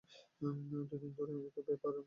দুদিনেরই তো ব্যাপার।